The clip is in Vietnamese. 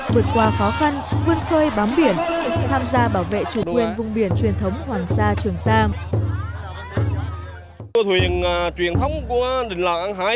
vượt qua khó khăn vươn khơi bám biển tham gia bảo vệ chủ quyền vùng biển truyền thống hoàng sa trường sa